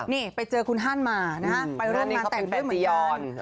นี่ไปเจอคุณฮันมานะฮะไปร่วมงานแต่งด้วยเหมือนกัน